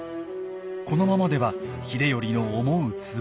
このままでは秀頼の思うつぼ。